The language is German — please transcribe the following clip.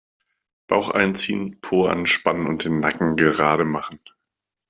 Bauch einziehen, Po anspannen und den Nacken gerade machen.